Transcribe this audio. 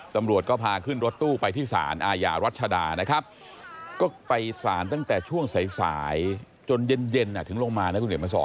ตำรวจก็พาขึ้นรถตู้ไปที่สารอาญารัชดานะครับก็ไปสารตั้งแต่ช่วงสายจนเย็นถึงลงมานะคุณเห็นมาสอน